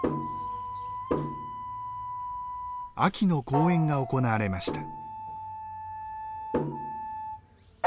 秋の公演が行われました。